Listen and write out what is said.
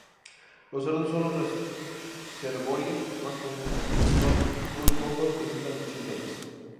Los cerdos son los reservorios más comunes, aunque muy pocos presentan síntomas.